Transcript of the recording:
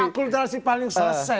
akulturasi paling selesai sesungguhnya